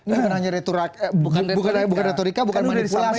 ini bukan retorika bukan manipulasi